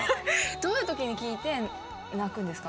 どういう時に聴いて泣くんですか？